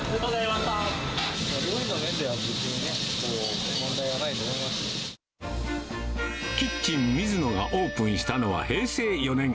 料理の面では別にね、こう、キッチン水野がオープンしたのは平成４年。